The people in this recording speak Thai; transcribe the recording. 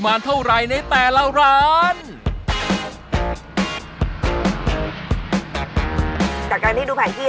ร้านแรกมันเยอะไหมป้าพี่